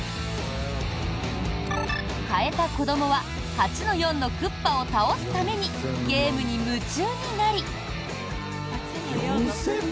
買えた子どもは８−４のクッパを倒すためにゲームに夢中になり。